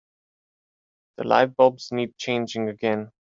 The lightbulbs need changing again.